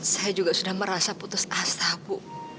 saya juga sudah merasa putus asa bu